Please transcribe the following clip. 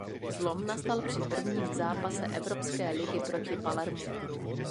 Zlom nastal při prvním zápase Evropské ligy proti Palermu.